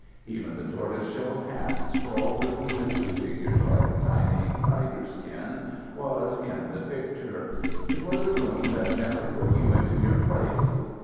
Even the tortoise shell cat, sprawled between the two figures like a tiny tiger skin, was in the picture. It was a room that gently put you into your place.